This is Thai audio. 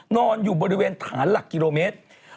นอนอยู่บริเวณฐานหลักกิโลเมตร